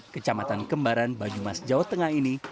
kecamatan kembaran banyumas jawa tengah ini